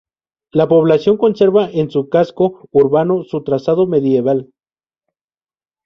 La población conserva en su casco urbano su trazado medieval.